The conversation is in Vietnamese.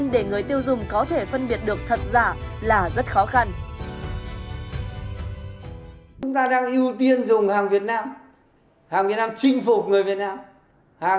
để người tiêu dùng có thể phân biệt được thật giả là rất khó khăn